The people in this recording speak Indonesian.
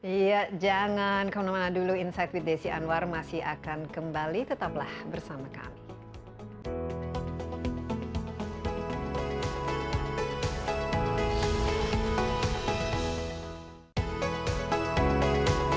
ya jangan kau mana dulu inside desian war masih akan kembali tetaplah bersama kami